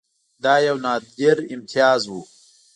دا یو نادر امتیاز وو.